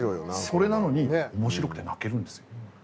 それなのに面白くて泣けるんですよ。